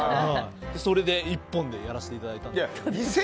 それ一本でやらせていただいたんですけど。